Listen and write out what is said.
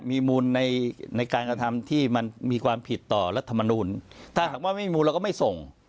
มีมูลในในการกระทำที่มันมีความผิดต่อรัฐมนูลถ้าหากว่าไม่มีมูลเราก็ไม่ส่ง